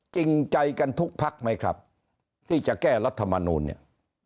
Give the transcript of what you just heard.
จริงใจกันทุกพักไหมครับที่จะแก้รัฐมนูลเนี่ย